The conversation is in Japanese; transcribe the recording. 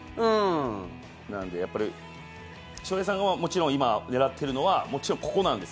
なのでやっぱり翔平さんはもちろん今狙ってるのはもちろんここなんです。